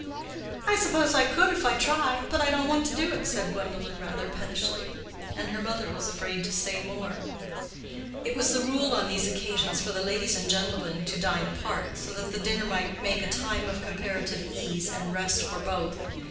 "I suppose I could if I tried, but I don't want to do it," said Gwendolen, rather pettishly; and her mother was afraid to say more. It was the rule on these occasions for the ladies and gentlemen to dine apart, so that the dinner might make a time of comparative ease and rest for both.